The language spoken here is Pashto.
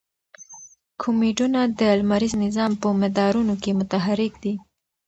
کومیټونه د لمریز نظام په مدارونو کې متحرک دي.